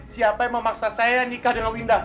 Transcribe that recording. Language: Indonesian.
siapa yang memaksa saya nikah dengan winda